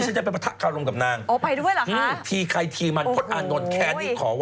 เดี๋ยวไปปะถะขาลงกับที่โปะแตก